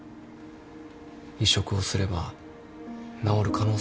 移植をすれば治る可能性もあるんだよ。